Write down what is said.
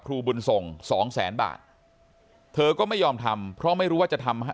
บุญส่งสองแสนบาทเธอก็ไม่ยอมทำเพราะไม่รู้ว่าจะทำให้